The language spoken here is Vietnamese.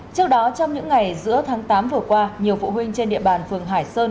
trước đó trong những ngày giữa tháng tám vừa qua nhiều phụ huynh trên địa bàn phường hải sơn